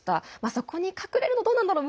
そこに隠れるの、どうなんだろう